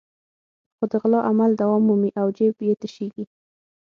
خو د غلا عمل دوام مومي او جېب یې تشېږي.